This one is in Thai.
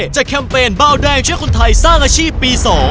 แคมเปญเบาแดงช่วยคนไทยสร้างอาชีพปี๒